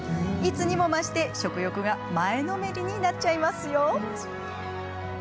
いつにも増して食欲が前のめりになっちゃいますよ。